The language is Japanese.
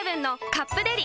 「カップデリ」